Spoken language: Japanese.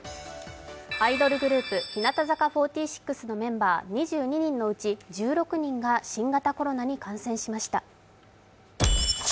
アイドルグループ、日向坂４６のメンバー２２人のうち１６人が新型コロナに感染しました。